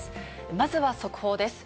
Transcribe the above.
まずは速報です。